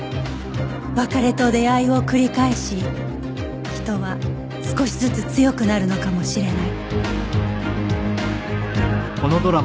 別れと出会いを繰り返し人は少しずつ強くなるのかもしれない